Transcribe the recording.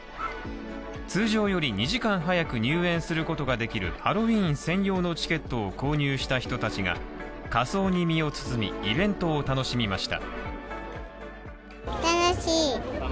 通常より２時間早く入園することができるハロウィーン専用のチケットを購入した人たちが仮装に身を包みイベントを楽しみました。